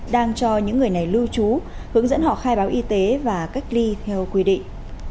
đang cho những người này lưu trú hướng dẫn họ khai báo y tế và cách ly theo quy định